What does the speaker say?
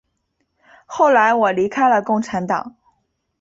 后来我离开了共产党。